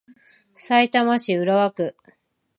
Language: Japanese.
さいたま市浦和区